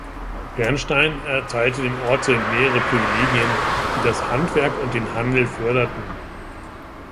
Pernstein erteilte dem Orte mehrere Privilegien, die das Handwerk und den Handel förderten.